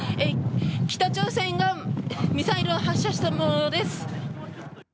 北朝鮮がミサイルを発射した模様です。